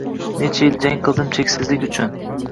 Necha yil jang qildim cheksizlik uchun